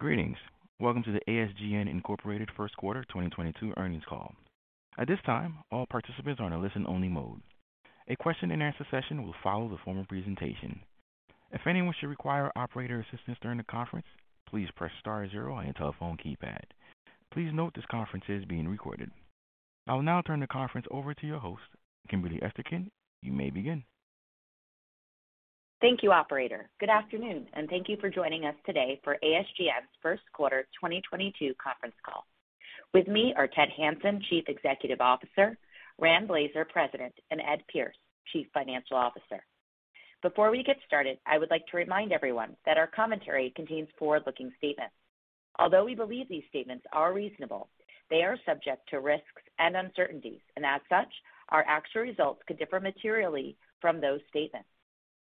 Greetings, welcome to the ASGN Incorporated First Quarter 2022 Earnings Call. At this time, all participants are in a listen-only mode. A question-and-answer session will follow the formal presentation. If anyone should require operator assistance during the conference, please press star zero on your telephone keypad. Please note this conference is being recorded. I will now turn the conference over to your host, Kimberly Esterkin. You may begin. Thank you, operator. Good afternoon, and thank you for joining us today for ASGN's First Quarter 2022 Conference Call. With me are Ted Hanson, Chief Executive Officer, Rand Blazer, President, and Ed Pierce, Chief Financial Officer. Before we get started, I would like to remind everyone that our commentary contains forward-looking statements. Although we believe these statements are reasonable, they are subject to risks and uncertainties, and as such, our actual results could differ materially from those statements.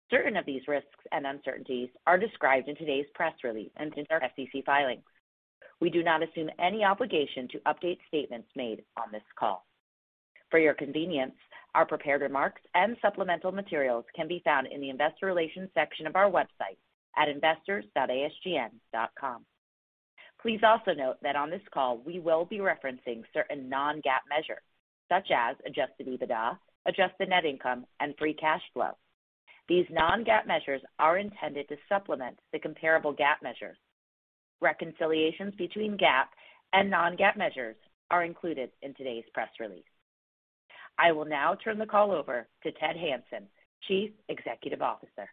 Certain of these risks and uncertainties are described in today's press release and in our SEC filings. We do not assume any obligation to update statements made on this call. For your convenience, our prepared remarks and supplemental materials can be found in the investor relations section of our website at investors.asgn.com. Please also note that on this call we will be referencing certain non-GAAP measures, such as adjusted EBITDA, adjusted net income, and free cash flow. These non-GAAP measures are intended to supplement the comparable GAAP measure. Reconciliations between GAAP and non-GAAP measures are included in today's press release. I will now turn the call over to Ted Hanson, Chief Executive Officer.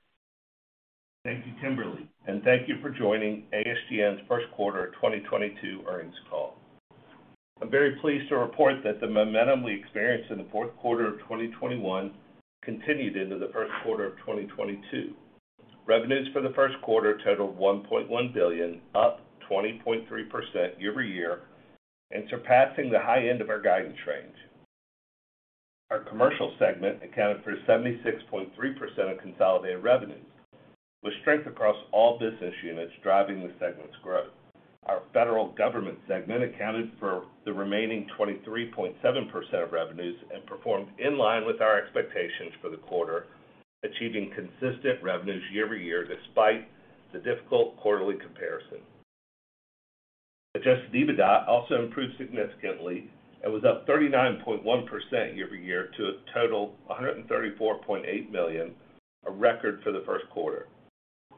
Thank you, Kimberly, and thank you for joining ASGN's First Quarter 2022 Earnings Call. I'm very pleased to report that the momentum we experienced in the fourth quarter of 2021 continued into the first quarter of 2022. Revenues for the first quarter totaled $1.1 billion, up 20.3% year-over-year and surpassing the high end of our guidance range. Our commercial segment accounted for 76.3% of consolidated revenues, with strength across all business units driving the segment's growth. Our federal government segment accounted for the remaining 23.7% of revenues and performed in line with our expectations for the quarter, achieving consistent revenues year-over-year despite the difficult quarterly comparison. Adjusted EBITDA also improved significantly and was up 39.1% year-over-year to a total $134.8 million, a record for the first quarter.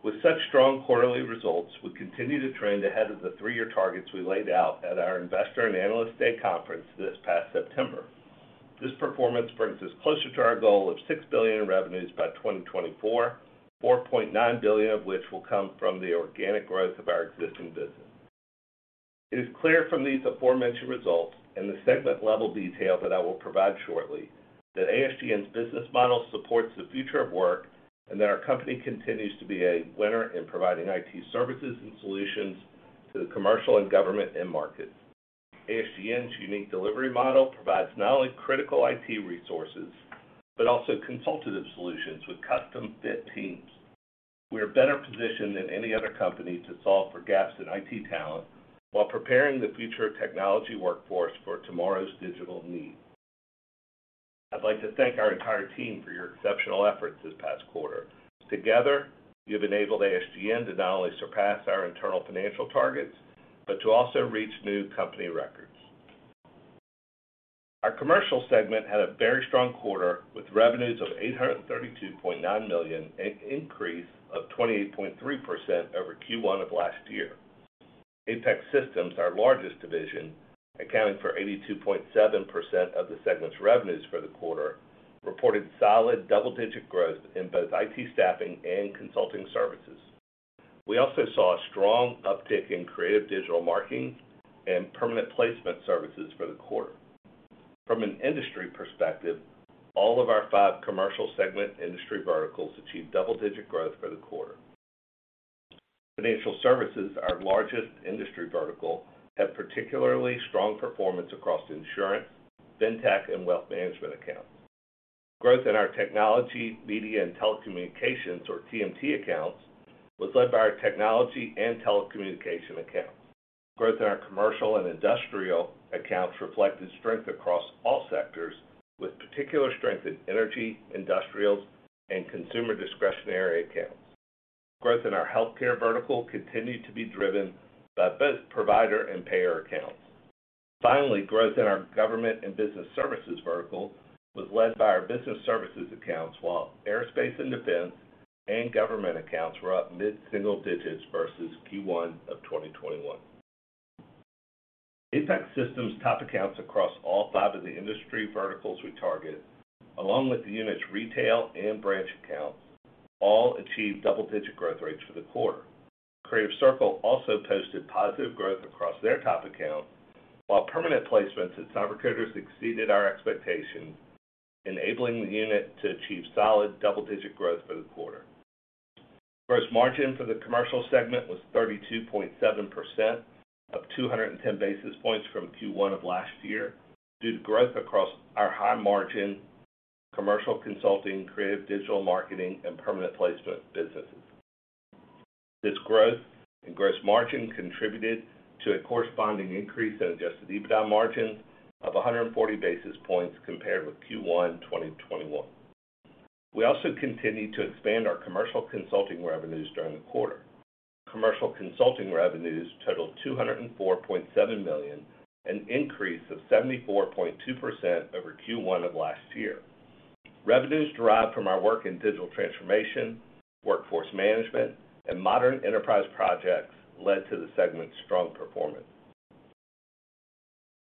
With such strong quarterly results, we continue to trend ahead of the three-year targets we laid out at our Investor and Analyst Day conference this past September. This performance brings us closer to our goal of $6 billion in revenues by 2024, $4.9 billion of which will come from the organic growth of our existing business. It is clear from these aforementioned results and the segment level detail that I will provide shortly that ASGN's business model supports the future of work, and that our company continues to be a winner in providing IT services and solutions to the commercial and government end markets. ASGN's unique delivery model provides not only critical IT resources, but also consultative solutions with custom fit teams. We are better positioned than any other company to solve for gaps in IT talent while preparing the future technology workforce for tomorrow's digital needs. I'd like to thank our entire team for your exceptional efforts this past quarter. Together, you've enabled ASGN to not only surpass our internal financial targets, but to also reach new company records. Our commercial segment had a very strong quarter, with revenues of $832.9 million, an increase of 28.3% over Q1 of last year. Apex Systems, our largest division, accounting for 82.7% of the segment's revenues for the quarter, reported solid double-digit growth in both IT staffing and consulting services. We also saw a strong uptick in creative digital marketing and permanent placement services for the quarter. From an industry perspective, all of our five commercial segment industry verticals achieved double-digit growth for the quarter. Financial services, our largest industry vertical, had particularly strong performance across insurance, fintech, and wealth management accounts. Growth in our technology, media, and telecommunications, or TMT accounts, was led by our technology and telecommunication accounts. Growth in our commercial and industrial accounts reflected strength across all sectors, with particular strength in energy, industrials, and consumer discretionary accounts. Growth in our healthcare vertical continued to be driven by both provider and payer accounts. Finally, growth in our government and business services vertical was led by our business services accounts, while aerospace and defense and government accounts were up mid-single digits versus Q1 of 2021. Apex Systems top accounts across all five of the industry verticals we targeted, along with the unit's retail and branch accounts, all achieved double-digit growth rates for the quarter. Creative Circle also posted positive growth across their top accounts, while permanent placements at CyberCoders exceeded our expectations, enabling the unit to achieve solid double-digit growth for the quarter. Gross margin for the commercial segment was 32.7%, up 210 basis points from Q1 of last year due to growth across our high margin commercial consulting, creative digital marketing, and permanent placement businesses. This growth in gross margin contributed to a corresponding increase in adjusted EBITDA margin of 140 basis points compared with Q1 2021. We also continued to expand our commercial consulting revenues during the quarter. Commercial consulting revenues totaled $204.7 million, an increase of 74.2% over Q1 of last year. Revenues derived from our work in digital transformation, workforce management, and modern enterprise projects led to the segment's strong performance.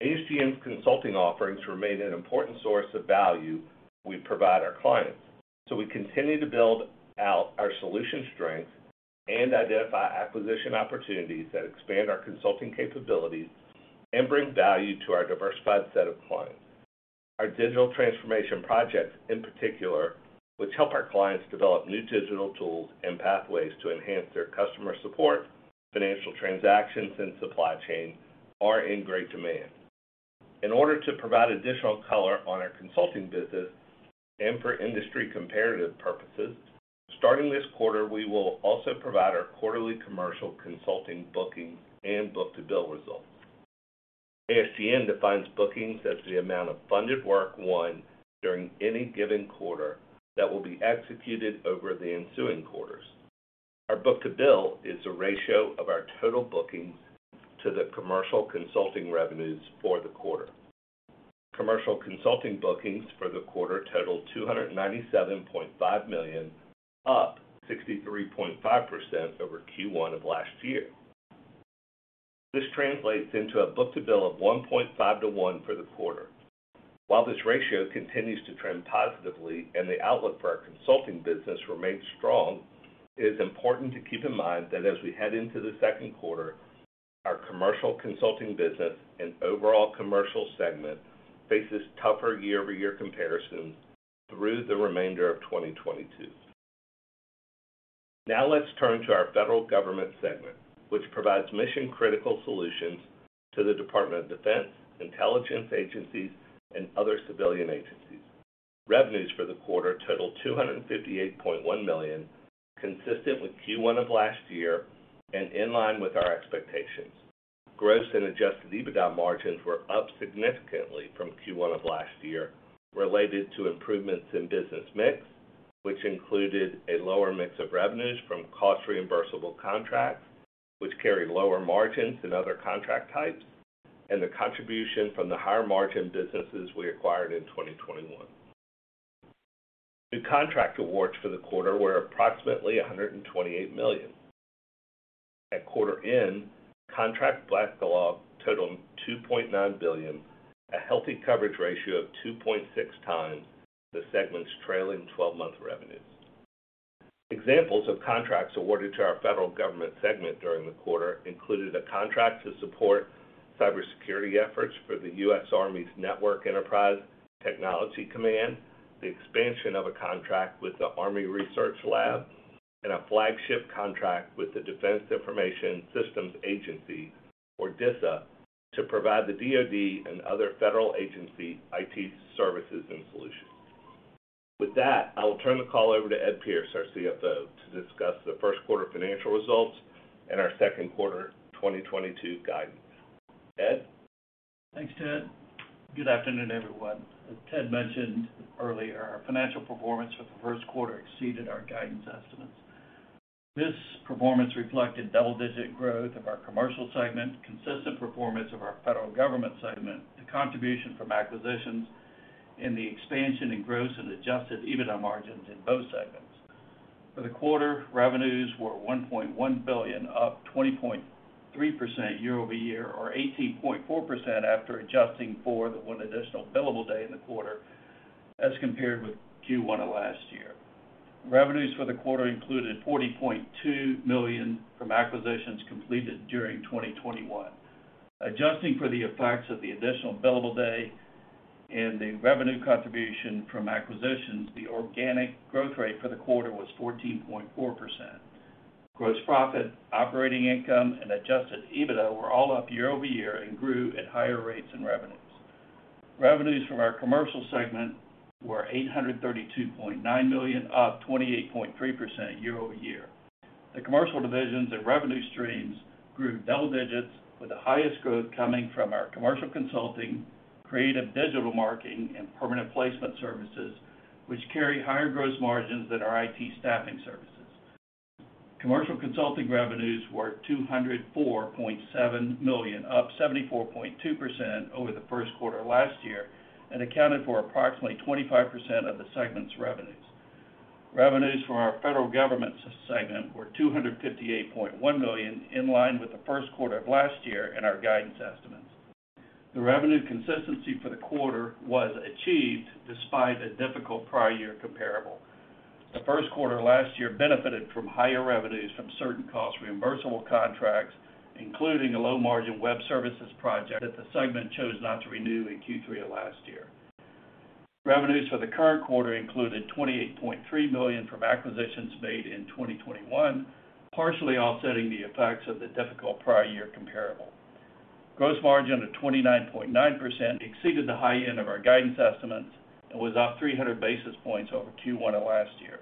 ASGN's consulting offerings remain an important source of value we provide our clients, so we continue to build out our solution strength and identify acquisition opportunities that expand our consulting capabilities and bring value to our diversified set of clients. Our digital transformation projects, in particular, which help our clients develop new digital tools and pathways to enhance their customer support, financial transactions, and supply chain, are in great demand. In order to provide additional color on our consulting business and for industry comparative purposes, starting this quarter, we will also provide our quarterly commercial consulting bookings and book-to-bill results. ASGN defines bookings as the amount of funded work won during any given quarter that will be executed over the ensuing quarters. Our book-to-bill is a ratio of our total bookings to the commercial consulting revenues for the quarter. Commercial consulting bookings for the quarter totaled $297.5 million, up 63.5% over Q1 of last year. This translates into a book-to-bill of 1.5 to 1 for the quarter. While this ratio continues to trend positively and the outlook for our consulting business remains strong, it is important to keep in mind that as we head into the second quarter, our commercial consulting business and overall commercial segment faces tougher year-over-year comparisons through the remainder of 2022. Now let's turn to our federal government segment, which provides mission-critical solutions to the Department of Defense, intelligence agencies, and other civilian agencies. Revenues for the quarter totaled $258.1 million, consistent with Q1 of last year and in line with our expectations. Gross and adjusted EBITDA margins were up significantly from Q1 of last year related to improvements in business mix, which included a lower mix of revenues from cost reimbursable contracts, which carry lower margins than other contract types, and the contribution from the higher-margin businesses we acquired in 2021. New contract awards for the quarter were approximately $128 million. At quarter end, contract backlog totaled $2.9 billion, a healthy coverage ratio of 2.6 times the segment's trailing 12-month revenues. Examples of contracts awarded to our federal government segment during the quarter included a contract to support cybersecurity efforts for the U.S. Army's Network Enterprise Technology Command, the expansion of a contract with the Army Research Laboratory, and a flagship contract with the Defense Information Systems Agency, or DISA, to provide the DoD and other federal agency IT services and solutions. With that, I will turn the call over to Ed Pierce, our CFO, to discuss the first quarter financial results and our second quarter 2022 guidance. Ed? Thanks, Ted. Good afternoon, everyone. As Ted mentioned earlier, our financial performance for the first quarter exceeded our guidance estimates. This performance reflected double-digit growth of our commercial segment, consistent performance of our federal government segment, the contribution from acquisitions, and the expansion in gross and adjusted EBITDA margins in both segments. For the quarter, revenues were $1.1 billion, up 20.3% year-over-year or 18.4% after adjusting for the one additional billable day in the quarter as compared with Q1 of last year. Revenues for the quarter included $40.2 million from acquisitions completed during 2021. Adjusting for the effects of the additional billable day and the revenue contribution from acquisitions, the organic growth rate for the quarter was 14.4%. Gross profit, operating income, and adjusted EBITDA were all up year-over-year and grew at higher rates than revenues. Revenues from our commercial segment were $832.9 million, up 28.3% year-over-year. The commercial divisions and revenue streams grew double digits, with the highest growth coming from our commercial consulting, creative digital marketing, and permanent placement services, which carry higher gross margins than our IT staffing services. Commercial consulting revenues were $204.7 million, up 74.2% over the first quarter last year, and accounted for approximately 25% of the segment's revenues. Revenues for our federal government segment were $258.1 million, in line with the first quarter of last year and our guidance estimates. The revenue consistency for the quarter was achieved despite a difficult prior year comparable. The first quarter last year benefited from higher revenues from certain cost reimbursable contracts, including a low-margin web services project that the segment chose not to renew in Q3 of last year. Revenues for the current quarter included $28.3 million from acquisitions made in 2021, partially offsetting the effects of the difficult prior year comparable. Gross margin of 29.9% exceeded the high end of our guidance estimates and was up 300 basis points over Q1 of last year.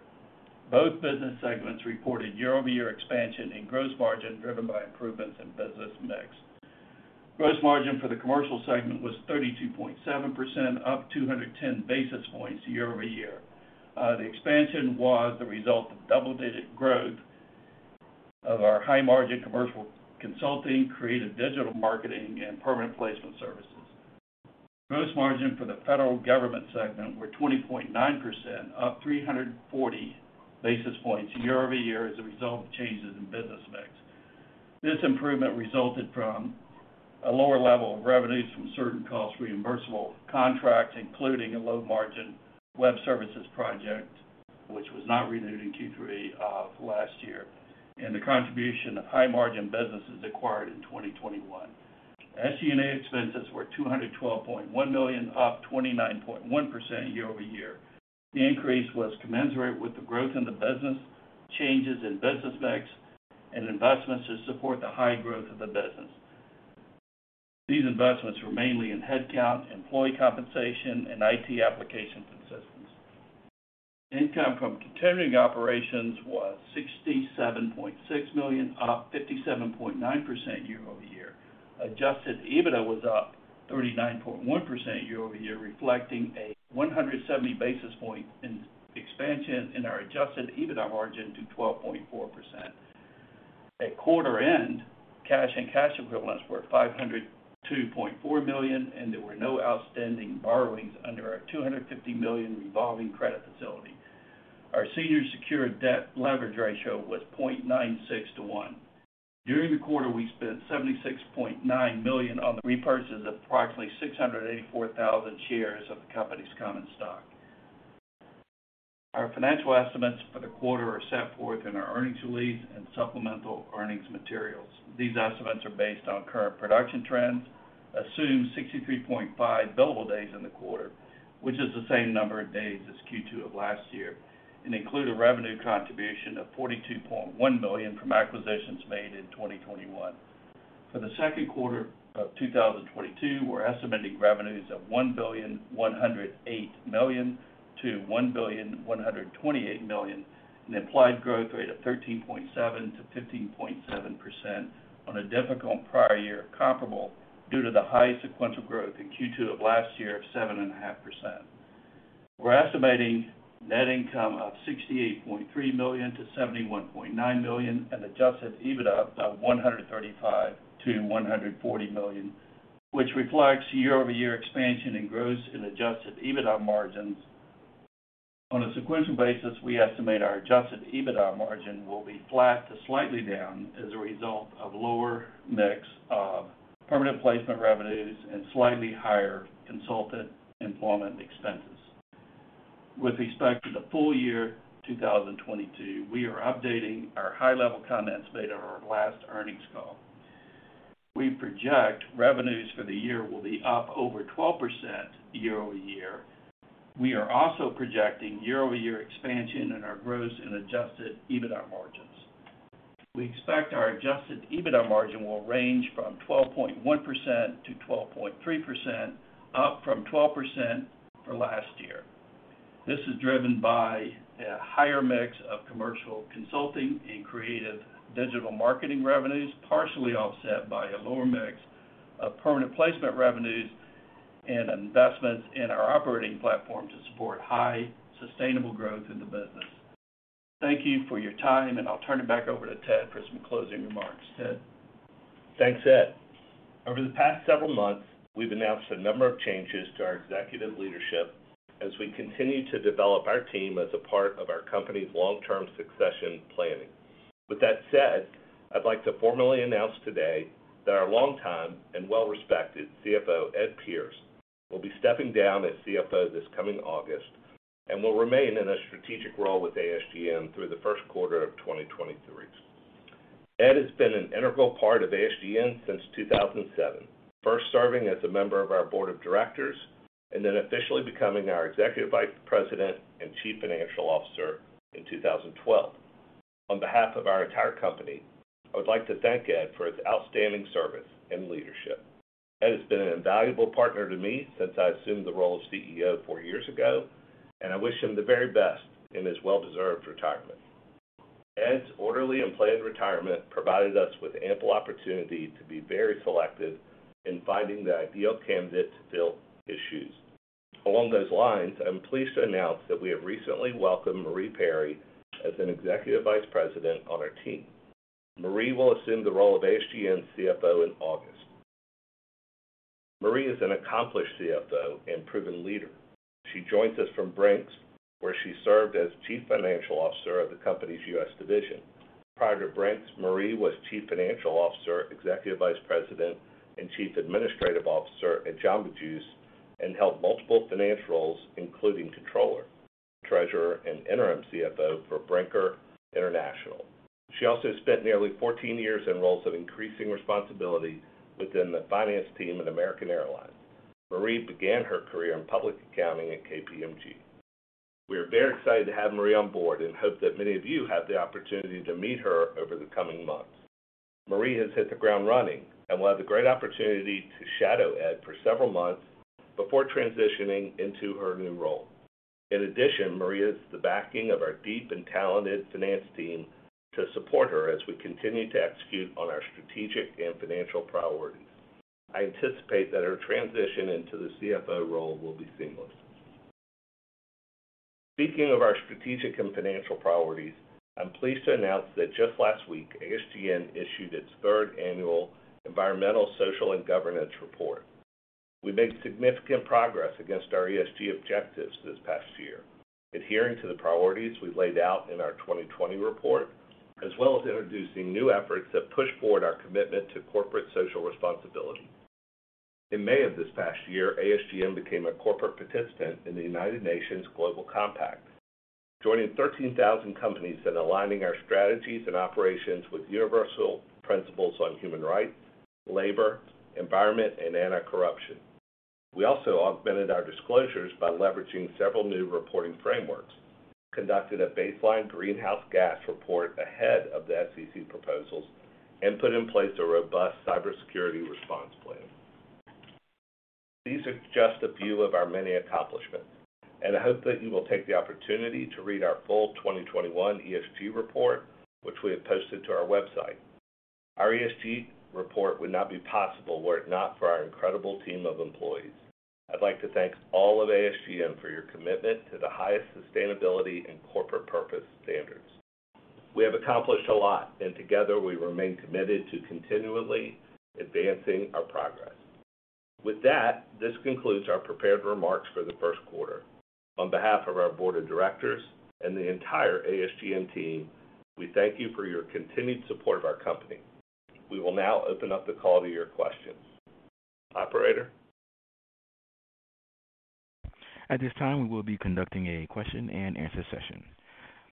Both business segments reported year-over-year expansion in gross margin driven by improvements in business mix. Gross margin for the commercial segment was 32.7%, up 210 basis points year-over-year. The expansion was the result of double-digit growth of our high-margin commercial consulting, creative digital marketing, and permanent placement services. Gross margin for the federal government segment were 20.9%, up 340 basis points year-over-year as a result of changes in business mix. This improvement resulted from a lower level of revenues from certain cost reimbursable contracts, including a low-margin web services project, which was not renewed in Q3 of last year, and the contribution of high-margin businesses acquired in 2021. SE&A expenses were $212.1 million, up 29.1% year-over-year. The increase was commensurate with the growth in the business, changes in business mix, and investments to support the high growth of the business. These investments were mainly in headcount, employee compensation, and IT application systems. Income from continuing operations was $67.6 million, up 57.9% year-over-year. Adjusted EBITDA was up 39.1% year-over-year, reflecting a 170 basis point expansion in our adjusted EBITDA margin to 12.4%. At quarter end, cash and cash equivalents were $502.4 million, and there were no outstanding borrowings under our $250 million revolving credit facility. Our senior secured debt leverage ratio was 0.96 to 1. During the quarter, we spent $76.9 million on the repurchase of approximately 684,000 shares of the company's common stock. Our financial estimates for the quarter are set forth in our earnings release and supplemental earnings materials. These estimates are based on current production trends, assume 63.5 billable days in the quarter, which is the same number of days as Q2 of last year, and include a revenue contribution of $42.1 million from acquisitions made in 2021. For the second quarter of 2022, we're estimating revenues of $1.108 billion-$1.128 billion, an implied growth rate of 13.7%-15.7% on a difficult prior year comparable due to the high sequential growth in Q2 of last year of 7.5%. We're estimating net income of $68.3 million-$71.9 million and adjusted EBITDA of $135 million-$140 million, which reflects year-over-year expansion in gross and adjusted EBITDA margins. On a sequential basis, we estimate our adjusted EBITDA margin will be flat to slightly down as a result of lower mix of permanent placement revenues and slightly higher consultant employment expenses. With respect to the full year 2022, we are updating our high-level comments made on our last earnings call. We project revenues for the year will be up over 12% year-over-year. We are also projecting year-over-year expansion in our gross and adjusted EBITDA margins. We expect our adjusted EBITDA margin will range from 12.1%-12.3%, up from 12% for last year. This is driven by a higher mix of commercial consulting and creative digital marketing revenues, partially offset by a lower mix of permanent placement revenues and investments in our operating platform to support high, sustainable growth in the business. Thank you for your time, and I'll turn it back over to Ted for some closing remarks. Ted? Thanks, Ed. Over the past several months, we've announced a number of changes to our executive leadership as we continue to develop our team as a part of our company's long-term succession planning. With that said, I'd like to formally announce today that our long-time and well-respected CFO, Ed Pierce, will be stepping down as CFO this coming August and will remain in a strategic role with ASGN through the first quarter of 2023. Ed has been an integral part of ASGN since 2007, first serving as a member of our board of directors and then officially becoming our Executive Vice President and Chief Financial Officer in 2012. On behalf of our entire company, I would like to thank Ed for his outstanding service and leadership. Ed has been an invaluable partner to me since I assumed the role of CEO four years ago, and I wish him the very best in his well-deserved retirement. Ed's orderly and planned retirement provided us with ample opportunity to be very selective in finding the ideal candidate to fill his shoes. Along those lines, I'm pleased to announce that we have recently welcomed Marie Perry as an Executive Vice President on our team. Marie will assume the role of ASGN CFO in August. Marie is an accomplished CFO and proven leader. She joins us from Brink's, where she served as Chief Financial Officer of the company's U.S. division. Prior to Brink's, Marie was Chief Financial Officer, Executive Vice President, and Chief Administrative Officer at Jamba Juice and held multiple financial roles, including Controller, Treasurer, and Interim CFO for Brinker International. She also spent nearly 14 years in roles of increasing responsibility within the finance team at American Airlines. Marie began her career in public accounting at KPMG. We are very excited to have Marie on board and hope that many of you have the opportunity to meet her over the coming months. Marie has hit the ground running and will have the great opportunity to shadow Ed for several months before transitioning into her new role. In addition, Marie has the backing of our deep and talented finance team to support her as we continue to execute on our strategic and financial priorities. I anticipate that her transition into the CFO role will be seamless. Speaking of our strategic and financial priorities, I'm pleased to announce that just last week, ASGN issued its third annual Environmental, Social, and Governance report. We made significant progress against our ESG objectives this past year, adhering to the priorities we've laid out in our 2020 report, as well as introducing new efforts that push forward our commitment to corporate social responsibility. In May of this past year, ASGN became a corporate participant in the United Nations Global Compact, joining 13,000 companies in aligning our strategies and operations with universal principles on human rights, labor, environment, and anti-corruption. We also augmented our disclosures by leveraging several new reporting frameworks, conducted a baseline greenhouse gas report ahead of the SEC proposals, and put in place a robust cybersecurity response plan. These are just a few of our many accomplishments, and I hope that you will take the opportunity to read our full 2021 ESG report, which we have posted to our website. Our ESG report would not be possible were it not for our incredible team of employees. I'd like to thank all of ASGN for your commitment to the highest sustainability and corporate purpose standards. We have accomplished a lot, and together we remain committed to continually advancing our progress. With that, this concludes our prepared remarks for the first quarter. On behalf of our board of directors and the entire ASGN team, we thank you for your continued support of our company. We will now open up the call to your questions. Operator? At this time, we will be conducting a question-and-answer session.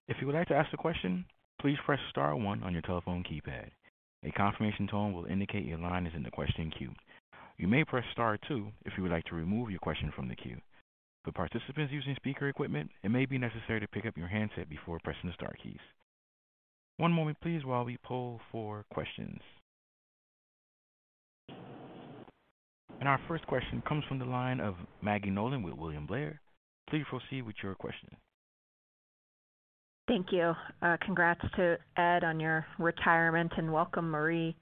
If you would like to ask a question, please press star one on your telephone keypad. A confirmation tone will indicate your line is in the question queue. You may press star two if you would like to remove your question from the queue. For participants using speaker equipment, it may be necessary to pick up your handset before pressing the star keys. One moment please while we poll for questions. Our first question comes from the line of Maggie Nolan with William Blair. Please proceed with your question. Thank you. Congrats to Ed on your retirement, and welcome, Marie.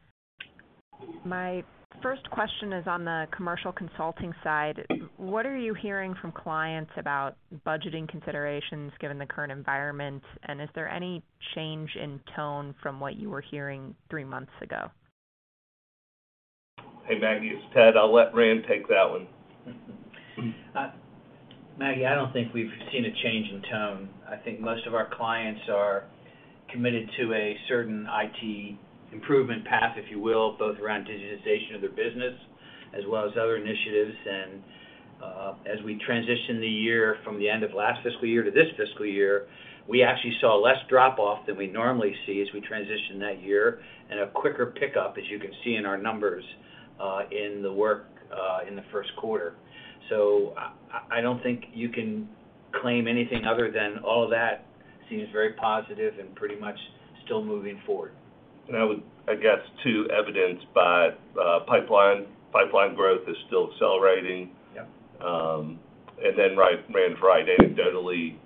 My first question is on the commercial consulting side. What are you hearing from clients about budgeting considerations given the current environment? And is there any change in tone from what you were hearing three months ago? Hey, Maggie, it's Ted. I'll let Rand take that one. Maggie, I don't think we've seen a change in tone. I think most of our clients are committed to a certain IT improvement path, if you will, both around digitization of their business as well as other initiatives. As we transition the year from the end of last fiscal year to this fiscal year, we actually saw less drop off than we normally see as we transition that year and a quicker pickup, as you can see in our numbers in the first quarter. I don't think you can claim anything other than all that seems very positive and pretty much still moving forward. I guess, evidenced by pipeline growth, is still accelerating. Yeah. Rand, anecdotally,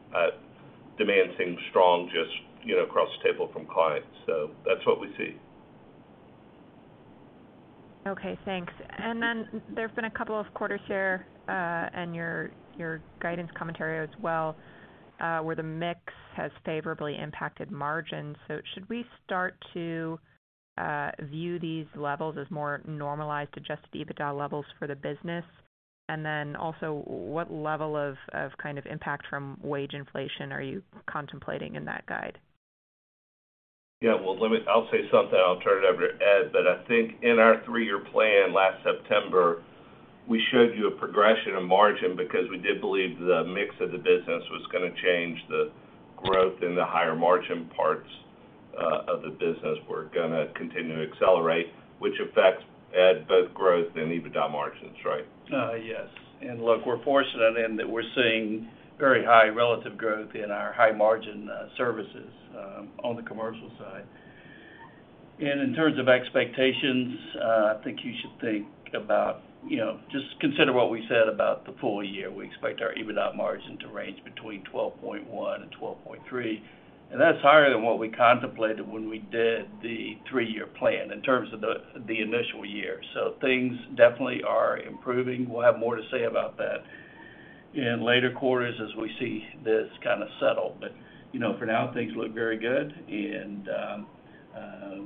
demand seems strong just, you know, across the table from clients. So that's what we see. Okay, thanks. There've been a couple of quarters here, and your guidance commentary as well, where the mix has favorably impacted margins. Should we start to view these levels as more normalized, adjusted EBITDA levels for the business? Also what level of kind of impact from wage inflation are you contemplating in that guide? Yeah. Well, I'll say something, and I'll turn it over to Ed. I think in our three-year plan last September, we showed you a progression of margin because we did believe the mix of the business was gonna change. The growth in the higher margin parts of the business were gonna continue to accelerate, which affects, Ed, both growth and EBITDA margins, right? Yes. Look, we're fortunate in that we're seeing very high relative growth in our high margin services on the commercial side. In terms of expectations, I think you should think about, you know, just consider what we said about the full year. We expect our EBITDA margin to range between 12.1% and 12.3%, and that's higher than what we contemplated when we did the three-year plan in terms of the initial year. Things definitely are improving. We'll have more to say about that in later quarters as we see this kinda settle. You know, for now things look very good and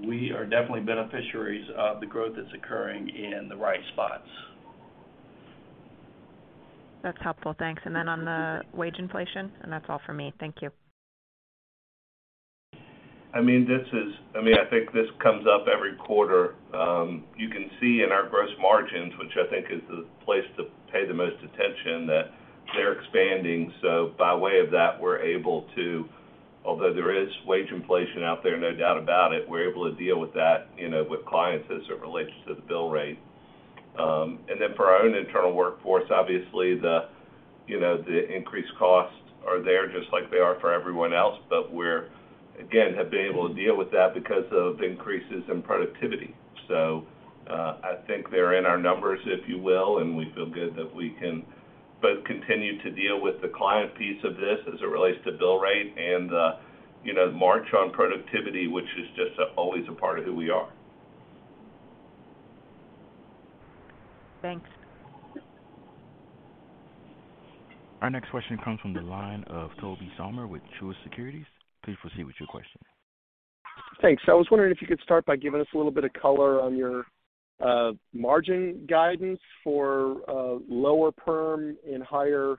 we are definitely beneficiaries of the growth that's occurring in the right spots. That's helpful. Thanks. On the wage inflation, and that's all for me. Thank you. I mean, I think this comes up every quarter. You can see in our gross margins, which I think is the place to pay the most attention, that they're expanding. By way of that, although there is wage inflation out there, no doubt about it, we're able to deal with that, you know, with clients as it relates to the bill rate. Then for our own internal workforce, obviously, you know, the increased costs are there just like they are for everyone else, but we, again, have been able to deal with that because of increases in productivity. I think they're in our numbers, if you will, and we feel good that we can both continue to deal with the client piece of this as it relates to bill rate and, you know, margin and productivity, which is just always a part of who we are. Thanks. Our next question comes from the line of Tobey Sommer with Truist Securities. Please proceed with your question. Thanks. I was wondering if you could start by giving us a little bit of color on your margin guidance for lower perm and higher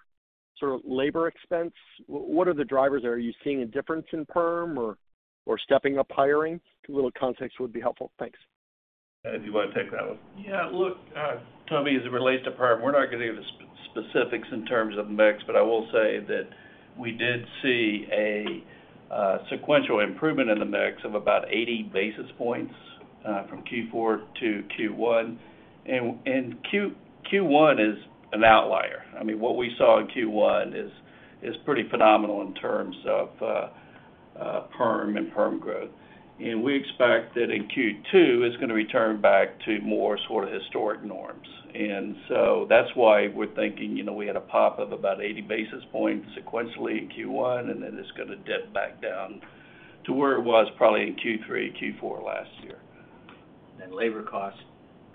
sort of labor expense. What are the drivers there? Are you seeing a difference in perm or stepping up hiring? A little context would be helpful. Thanks. Ed, do you wanna take that one? Yeah. Look, Tobey, as it relates to perm, we're not gonna give the specifics in terms of mix, but I will say that we did see a sequential improvement in the mix of about 80 basis points from Q4 to Q1. Q1 is an outlier. I mean, what we saw in Q1 is pretty phenomenal in terms of perm and perm growth. We expect that in Q2, it's gonna return back to more sort of historic norms. That's why we're thinking, you know, we had a pop of about 80 basis points sequentially in Q1, and then it's gonna dip back down to where it was probably in Q3, Q4 last year. Labor costs,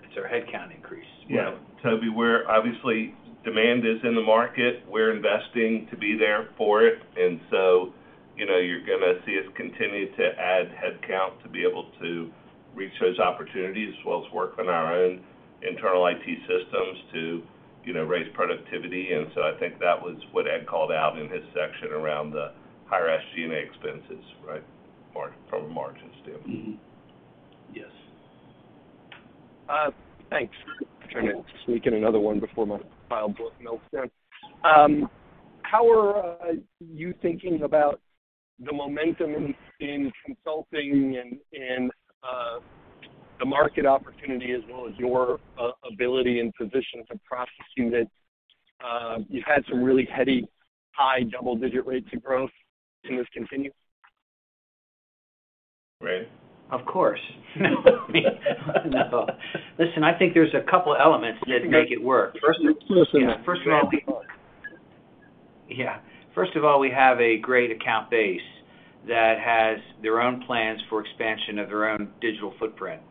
it's our headcount increase. Yeah. Tobey, obviously, demand is in the market. We're investing to be there for it. You know, you're gonna see us continue to add headcount to be able to reach those opportunities as well as work on our own internal IT systems to, you know, raise productivity. I think that was what Ed called out in his section around the higher SG&A expenses, right? Or from margins too. Mm-hmm. Yes. Thanks. Trying to sneak in another one before my pipeline melts down. How are you thinking about the momentum in consulting and the market opportunity as well as your ability and positioning to process that? You've had some really heady high double-digit rates of growth. Can this continue? Rand. Of course. No. I mean, no. Listen, I think there's a couple elements that make it work. Listen. First of all, we have a great account base that has their own plans for expansion of their own digital footprint.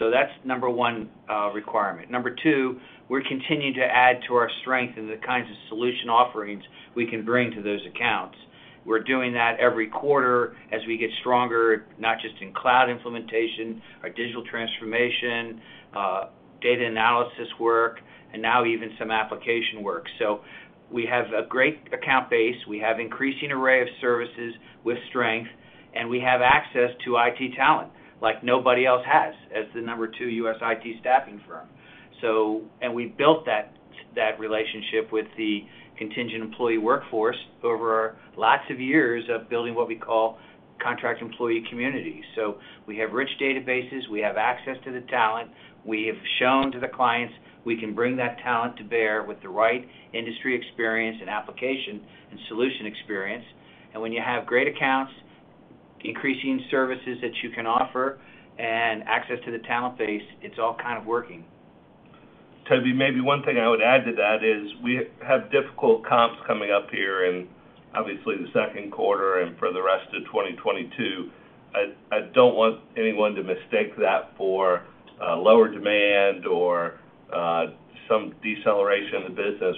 That's number one requirement. Number two, we're continuing to add to our strength in the kinds of solution offerings we can bring to those accounts. We're doing that every quarter as we get stronger, not just in cloud implementation, our digital transformation, data analysis work, and now even some application work. We have a great account base. We have increasing array of services with strength, and we have access to IT talent like nobody else has as the number two U.S. IT staffing firm. We built that relationship with the contingent employee workforce over lots of years of building what we call contract employee communities. We have rich databases. We have access to the talent. We have shown to the clients we can bring that talent to bear with the right industry experience and application and solution experience. When you have great accounts, increasing services that you can offer and access to the talent base, it's all kind of working. Toby, maybe one thing I would add to that is we have difficult comps coming up here in obviously the second quarter and for the rest of 2022. I don't want anyone to mistake that for lower demand or some deceleration in the business.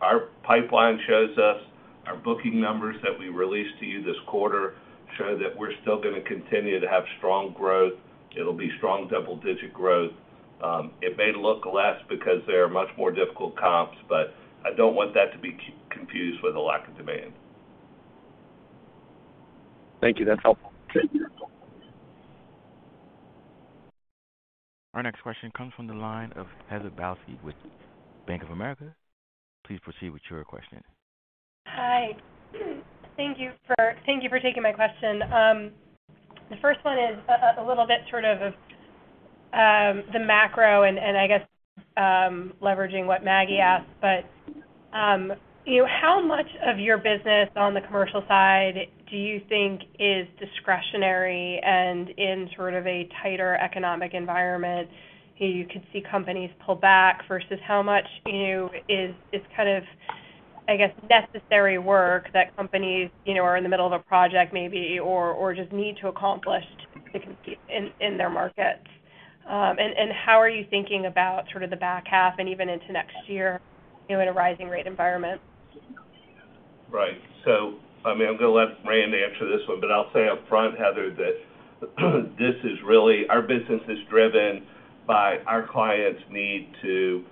Our pipeline shows us, our booking numbers that we released to you this quarter show that we're still gonna continue to have strong growth. It'll be strong double-digit growth. It may look less because they are much more difficult comps, but I don't want that to be confused with a lack of demand. Thank you. That's helpful. Okay. Our next question comes from the line of Heather Balsky with Bank of America. Please proceed with your question. Hi. Thank you for taking my question. The first one is a little bit sort of the macro and I guess leveraging what Maggie asked. You know, how much of your business on the commercial side do you think is discretionary and in sort of a tighter economic environment, you know, you could see companies pull back versus how much, you know, is kind of, I guess, necessary work that companies, you know, are in the middle of a project maybe or just need to accomplish to compete in their markets? And how are you thinking about sort of the back half and even into next year, you know, in a rising rate environment? Right. I mean, I'm gonna let Rand answer this one, but I'll say upfront, Heather, that this is really our business is driven by our clients' need to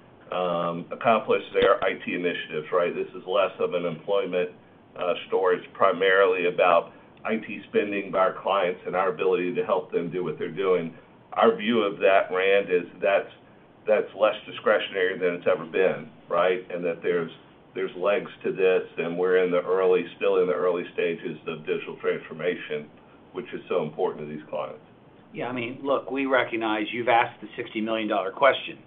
accomplish their IT initiatives, right? This is less of an employment story. It's primarily about IT spending by our clients and our ability to help them do what they're doing. Our view of that, Rand, is that's less discretionary than it's ever been, right? That there's legs to this, and we're still in the early stages of digital transformation, which is so important to these clients. Yeah, I mean, look, we recognize you've asked the $60 million question,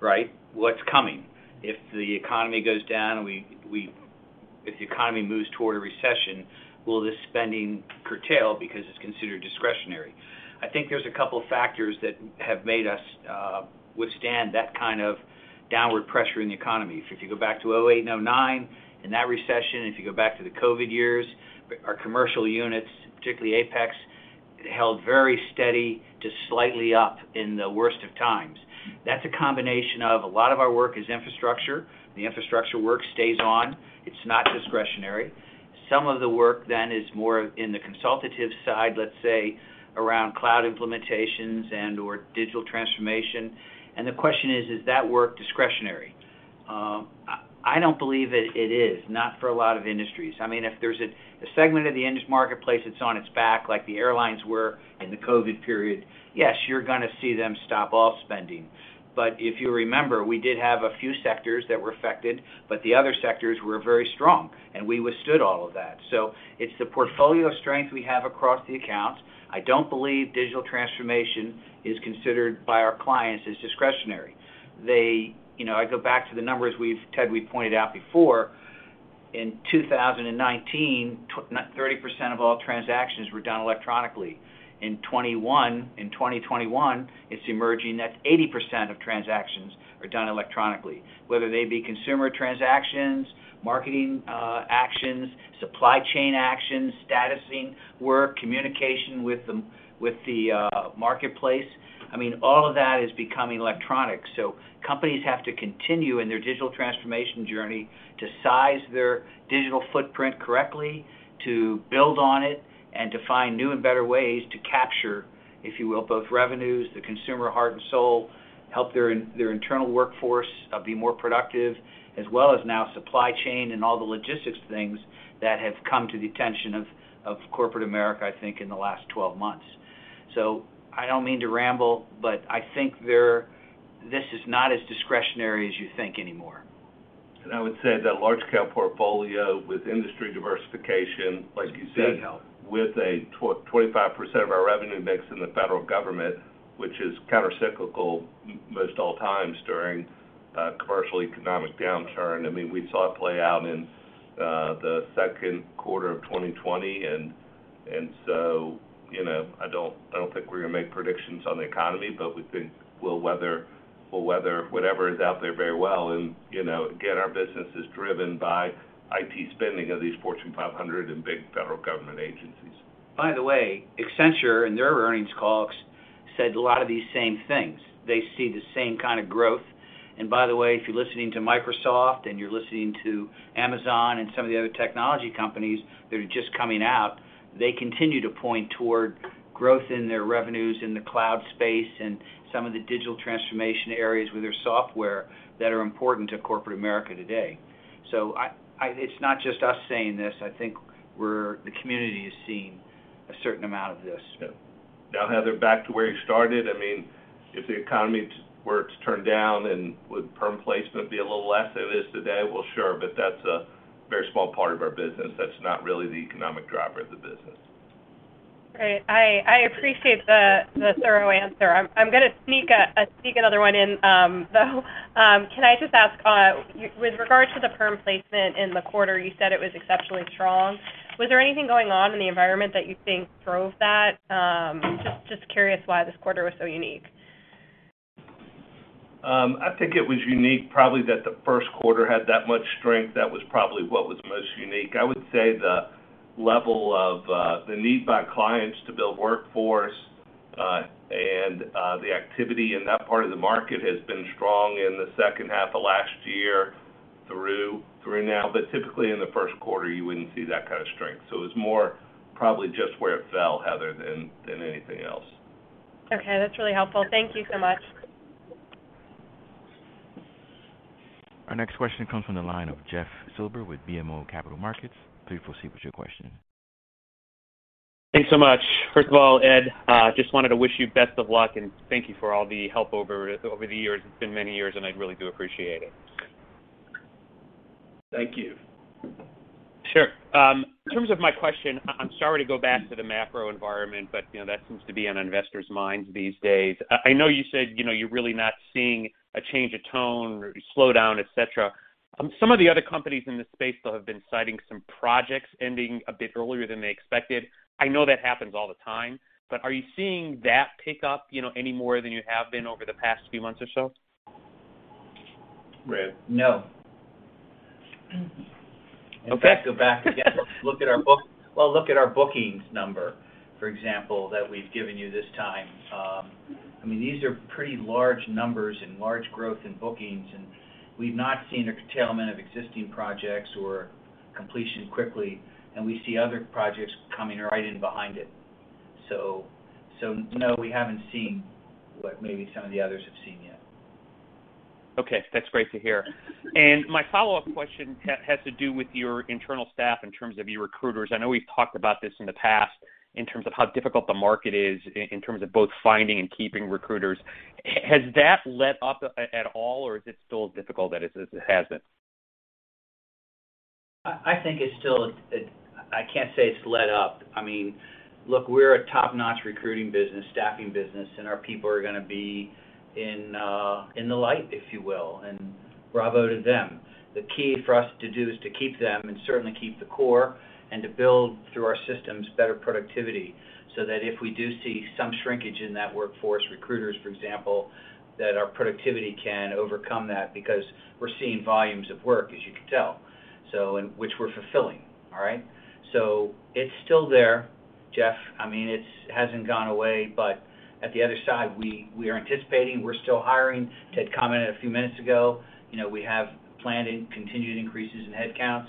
right? What's coming? If the economy goes down, if the economy moves toward a recession, will the spending curtail because it's considered discretionary? I think there's a couple factors that have made us withstand that kind of downward pressure in the economy. If you go back to 2008 and 2009, in that recession, if you go back to the COVID years, our commercial units, particularly Apex, held very steady to slightly up in the worst of times. That's a combination of a lot of our work is infrastructure. The infrastructure work stays on. It's not discretionary. Some of the work then is more in the consultative side, let's say, around cloud implementations and/or digital transformation. The question is that work discretionary? I don't believe it is not for a lot of industries. I mean, if there's a segment of the industry marketplace that's on its back, like the airlines were in the COVID period, yes, you're gonna see them stop all spending. If you remember, we did have a few sectors that were affected, but the other sectors were very strong, and we withstood all of that. It's the portfolio strength we have across the account. I don't believe digital transformation is considered by our clients as discretionary. They you know, I go back to the numbers we've Ted, we pointed out before. In 2019, 30% of all transactions were done electronically. In 2021, it's emerging that 80% of transactions are done electronically, whether they be consumer transactions, marketing actions, supply chain actions, statusing work, communication with the marketplace. I mean, all of that is becoming electronic. Companies have to continue in their digital transformation journey to size their digital footprint correctly, to build on it, and to find new and better ways to capture, if you will, both revenues, the consumer heart and soul, help their internal workforce be more productive, as well as now supply chain and all the logistics things that have come to the attention of corporate America, I think, in the last 12 months. I don't mean to ramble, but I think they're, this is not as discretionary as you think anymore. I would say that large-cap portfolio with industry diversification, like you said. Does help. With 25% of our revenue mix in the federal government, which is countercyclical most all times during a commercial economic downturn. I mean, we saw it play out in the second quarter of 2020, and so, you know, I don't think we're gonna make predictions on the economy, but we think we'll weather whatever is out there very well. You know, again, our business is driven by IT spending of these Fortune 500 and big federal government agencies. By the way, Accenture in their earnings calls said a lot of these same things. They see the same kind of growth. By the way, if you're listening to Microsoft and you're listening to Amazon and some of the other technology companies that are just coming out, they continue to point toward growth in their revenues in the cloud space and some of the digital transformation areas with their software that are important to corporate America today. I, it's not just us saying this. I think the community is seeing a certain amount of this. Yeah. Now, Heather, back to where you started. I mean, if the economy were to turn down and would perm placement be a little less than it is today? Well, sure. That's a very small part of our business. That's not really the economic driver of the business. Great. I appreciate the thorough answer. I'm gonna sneak another one in, though. Can I just ask with regards to the perm placement in the quarter? You said it was exceptionally strong. Was there anything going on in the environment that you think drove that? Just curious why this quarter was so unique. I think it was unique probably that the first quarter had that much strength. That was probably what was most unique. I would say the level of the need by clients to build workforce and the activity in that part of the market has been strong in the second half of last year through now. Typically in the first quarter, you wouldn't see that kind of strength. It's more probably just where it fell, Heather, than anything else. Okay, that's really helpful. Thank you so much. Our next question comes from the line of Jeff Silber with BMO Capital Markets. Please proceed with your question. Thanks so much. First of all, Ed, just wanted to wish you best of luck, and thank you for all the help over the years. It's been many years, and I really do appreciate it. Thank you. Sure. In terms of my question, I'm sorry to go back to the macro environment, but, you know, that seems to be on investors' minds these days. I know you said, you know, you're really not seeing a change of tone, slowdown, et cetera. Some of the other companies in this space, though, have been citing some projects ending a bit earlier than they expected. I know that happens all the time, but are you seeing that pick up, you know, any more than you have been over the past few months or so? Red. No. Okay. Go back again. Well, look at our bookings number, for example, that we've given you this time. I mean, these are pretty large numbers and large growth in bookings, and we've not seen a curtailment of existing projects or completion quickly, and we see other projects coming right in behind it. No, we haven't seen what maybe some of the others have seen yet. Okay. That's great to hear. My follow-up question has to do with your internal staff in terms of your recruiters. I know we've talked about this in the past in terms of how difficult the market is in terms of both finding and keeping recruiters. Has that let up at all, or is it still as difficult as it has been? I think it's still. I can't say it's let up. I mean, look, we're a top-notch recruiting business, staffing business, and our people are gonna be in the light, if you will, and bravo to them. The key for us to do is to keep them and certainly keep the core and to build, through our systems, better productivity, so that if we do see some shrinkage in that workforce, recruiters, for example, that our productivity can overcome that because we're seeing volumes of work, as you can tell, and which we're fulfilling, all right? It's still there, Jeff. I mean, it hasn't gone away, but at the other side, we are anticipating, we're still hiring. Ted commented a few minutes ago, you know, we have planned and continued increases in headcounts.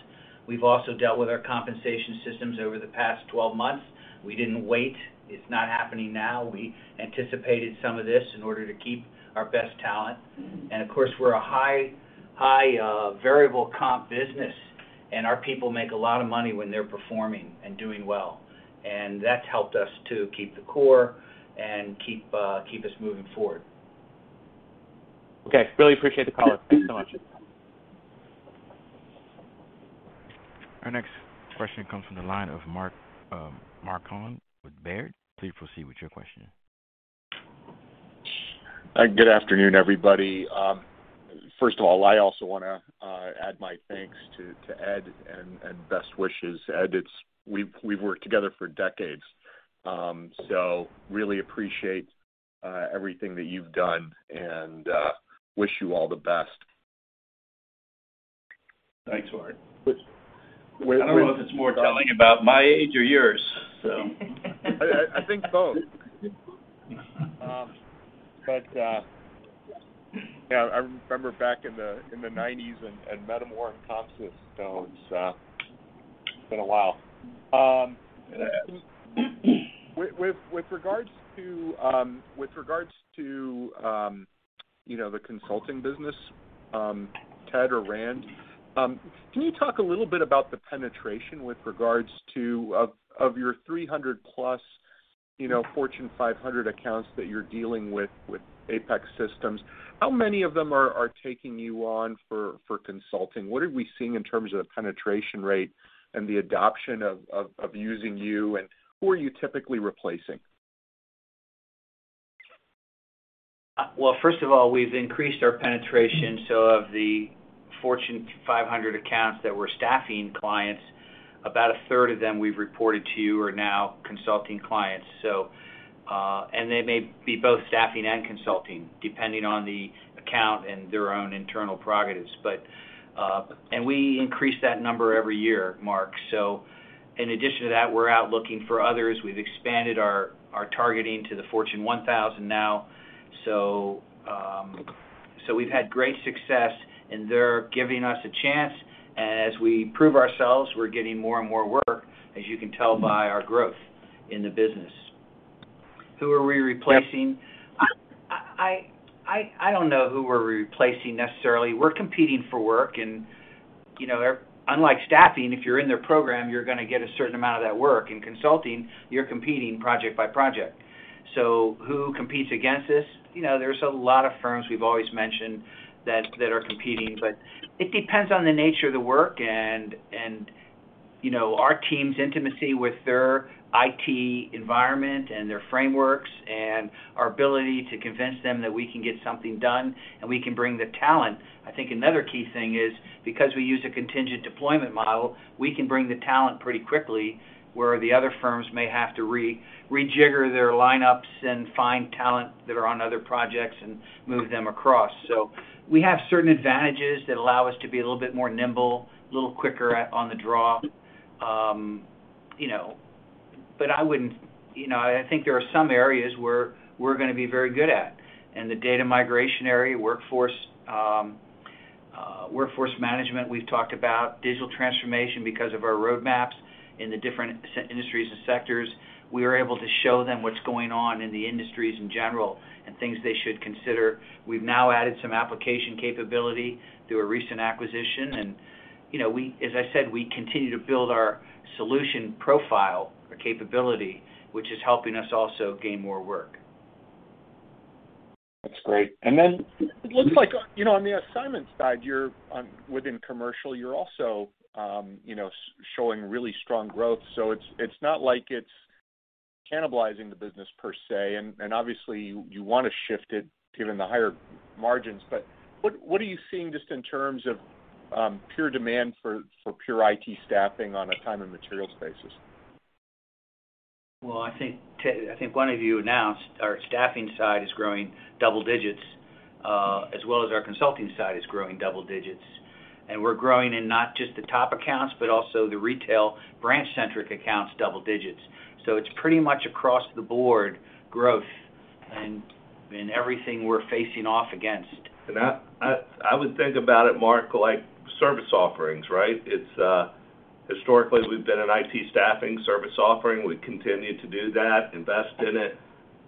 We've also dealt with our compensation systems over the past 12 months. We didn't wait. It's not happening now. We anticipated some of this in order to keep our best talent. Of course, we're a high variable comp business, and our people make a lot of money when they're performing and doing well, and that's helped us to keep the core and keep us moving forward. Okay. Really appreciate the call. Thanks so much. Our next question comes from the line of Mark Marcon with Baird. Please proceed with your question. Good afternoon, everybody. First of all, I also wanna add my thanks to Ed and best wishes. Ed, we've worked together for decades, so really appreciate everything that you've done and wish you all the best. Thanks, Mark. I don't know if it's more telling about my age or yours, so. I think both. You know, I remember back in the nineties at Metamor Worldwide, so it's been a while. With regards to the consulting business, Ted or Rand, can you talk a little bit about the penetration with regards to your 300 plus Fortune 500 accounts that you're dealing with Apex Systems, how many of them are taking you on for consulting? What are we seeing in terms of the penetration rate and the adoption of using you, and who are you typically replacing? Well, first of all, we've increased our penetration, so of the Fortune 500 accounts that we're staffing clients, about a third of them we've reported to you are now consulting clients, so, and they may be both staffing and consulting, depending on the account and their own internal prerogatives. We increase that number every year, Mark. In addition to that, we're out looking for others. We've expanded our targeting to the Fortune 1000 now. We've had great success, and they're giving us a chance. As we prove ourselves, we're getting more and more work, as you can tell by our growth in the business. Who are we replacing? I don't know who we're replacing necessarily. We're competing for work and, you know, unlike staffing, if you're in their program, you're gonna get a certain amount of that work. In consulting, you're competing project by project. Who competes against us? You know, there's a lot of firms we've always mentioned that are competing, but it depends on the nature of the work and, you know, our team's intimacy with their IT environment and their frameworks and our ability to convince them that we can get something done and we can bring the talent. I think another key thing is, because we use a contingent deployment model, we can bring the talent pretty quickly, where the other firms may have to rejigger their lineups and find talent that are on other projects and move them across. We have certain advantages that allow us to be a little bit more nimble, a little quicker on the draw. You know, I think there are some areas where we're gonna be very good at. In the data migration area, workforce management, we've talked about digital transformation because of our roadmaps in the different industries and sectors. We are able to show them what's going on in the industries in general and things they should consider. We've now added some application capability through a recent acquisition. You know, as I said, we continue to build our solution profile or capability, which is helping us also gain more work. That's great. It looks like, you know, on the assignment side, within commercial, you're also, you know, showing really strong growth. It's not like it's cannibalizing the business per se, and obviously you wanna shift it given the higher margins. What are you seeing just in terms of pure demand for pure IT staffing on a time and materials basis? Well, I think one of you announced our staffing side is growing double digits, as well as our consulting side is growing double digits. We're growing in not just the top accounts, but also the retail branch-centric accounts double digits. It's pretty much across the board growth and in everything we're facing off against. I would think about it, Mark, like service offerings, right? It's historically we've been an IT staffing service offering. We continue to do that, invest in it,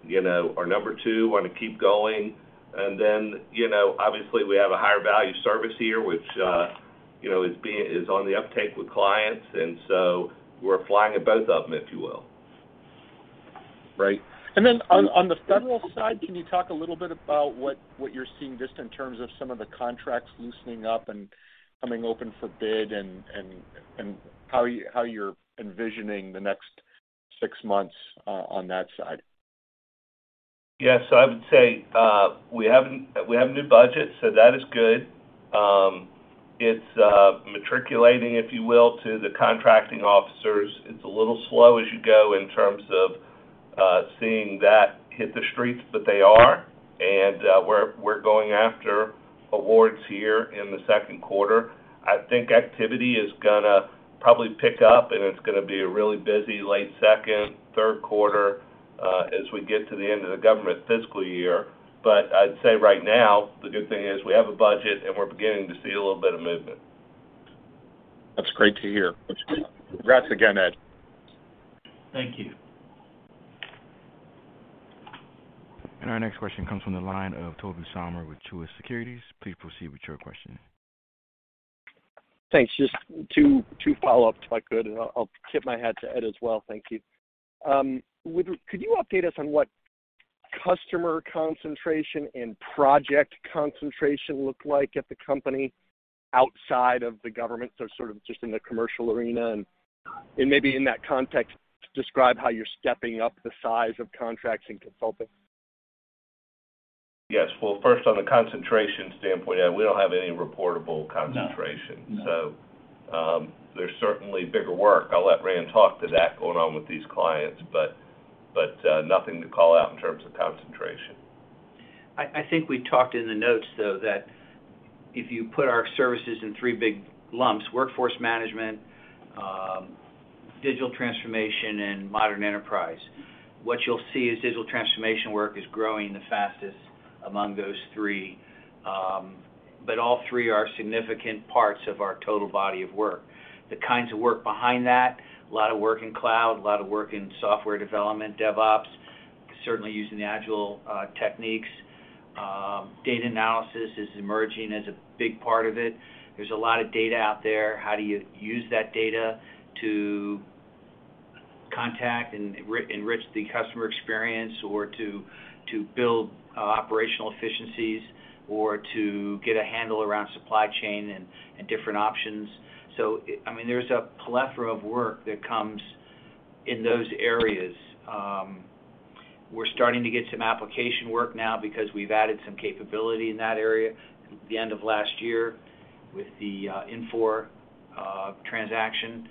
you know, we're number two, wanna keep going. Then, you know, obviously we have a higher value service here, which, you know, is on the uptake with clients, and so we're flying both of them, if you will. On the federal side, can you talk a little bit about what you're seeing just in terms of some of the contracts loosening up and coming open for bid and how you're envisioning the next six months on that side? Yes. I would say we have a new budget, so that is good. It's percolating, if you will, to the contracting officers. It's a little slow as you go in terms of seeing that hit the streets, but they are. We're going after awards here in the second quarter. I think activity is gonna probably pick up, and it's gonna be a really busy late second, third quarter as we get to the end of the government fiscal year. I'd say right now, the good thing is we have a budget, and we're beginning to see a little bit of movement. That's great to hear. That's great. Congrats again, Ed. Thank you. Our next question comes from the line of Tobey Sommer with Truist Securities. Please proceed with your question. Thanks. Just two follow-ups, if I could. I'll tip my hat to Ed as well. Thank you. Could you update us on what customer concentration and project concentration look like at the company outside of the government, so sort of just in the commercial arena? And maybe in that context, describe how you're stepping up the size of contracts in consulting. Yes. Well, first, on the concentration standpoint, Ed, we don't have any reportable concentration. No. No. There's certainly bigger work. I'll let Rand Blazer talk to that going on with these clients, but nothing to call out in terms of concentration. I think we talked in the notes, though, that if you put our services in three big lumps, workforce management, digital transformation, and modern enterprise, what you'll see is digital transformation work is growing the fastest among those three. All three are significant parts of our total body of work. The kinds of work behind that, a lot of work in cloud, a lot of work in software development, DevOps, certainly using the agile techniques. Data analysis is emerging as a big part of it. There's a lot of data out there. How do you use that data to connect and enrich the customer experience or to build operational efficiencies or to get a handle around supply chain and different options. I mean, there's a plethora of work that comes in those areas. We're starting to get some application work now because we've added some capability in that area at the end of last year with the Infor transaction.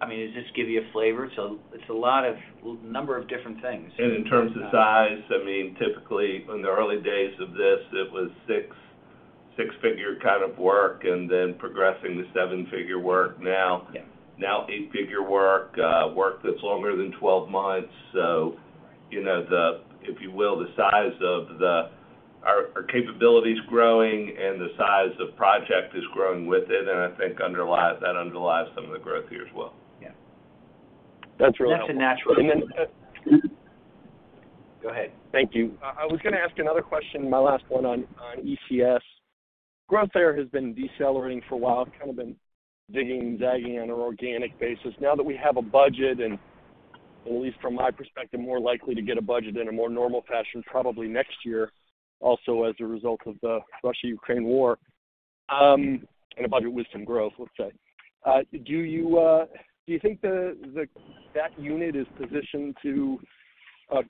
I mean, does this give you a flavor? It's a lot of a number of different things. In terms of size, I mean, typically, in the early days of this, it was six-figure kind of work and then progressing to seven-figure work now. Yeah. Now eight-figure work that's longer than 12 months. You know, if you will, the size of our capability's growing and the size of the project is growing with it, and that underlies some of the growth here as well. Yeah. That's really helpful. That's a natural. And then- Go ahead. Thank you. I was gonna ask another question, my last one, on ECS. Growth there has been decelerating for a while, kind of been zigging and zagging on an organic basis. Now that we have a budget and, at least from my perspective, more likely to get a budget in a more normal fashion probably next year, also as a result of the Russia-Ukraine war, and a budget with some growth, let's say, do you think that unit is positioned to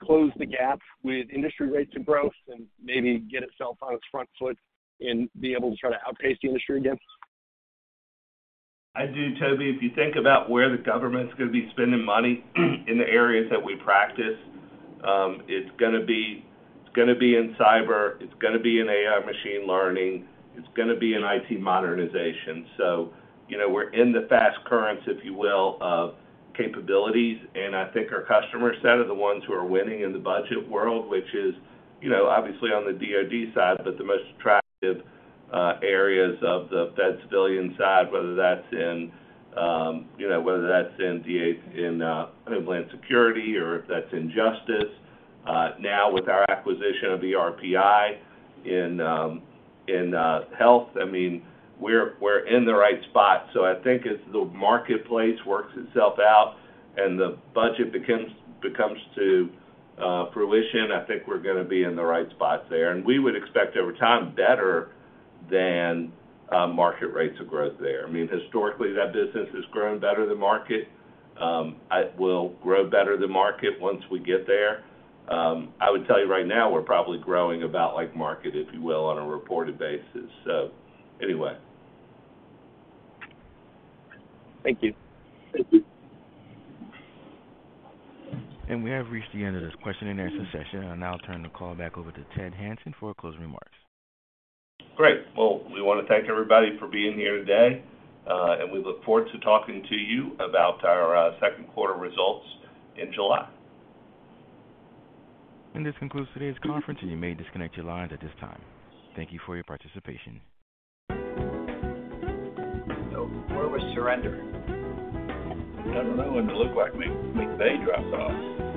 close the gap with industry rates of growth and maybe get itself on its front foot and be able to try to outpace the industry again? I do, Toby. If you think about where the government's gonna be spending money in the areas that we practice, it's gonna be in cyber, it's gonna be in AI machine learning, it's gonna be in IT modernization. You know, we're in the fast currents, if you will, of capabilities, and I think our customer set are the ones who are winning in the budget world, which is, you know, obviously on the DoD side, but the most attractive areas of the fed civilian side, whether that's in Homeland Security or if that's in Justice. Now with our acquisition of the RPG in health, I mean, we're in the right spot. I think as the marketplace works itself out and the budget comes to fruition, I think we're gonna be in the right spot there. We would expect over time better than market rates of growth there. I mean, historically, that business has grown better than market. It will grow better than market once we get there. I would tell you right now, we're probably growing about like market, if you will, on a reported basis. Thank you. Thank you. We have reached the end of this question and answer session. I'll now turn the call back over to Ted Hanson for closing remarks. Great. Well, we wanna thank everybody for being here today, and we look forward to talking to you about our second quarter results in July. This concludes today's conference, and you may disconnect your lines at this time. Thank you for your participation. Where was Surinder? I don't know, but it looked like McVey dropped off.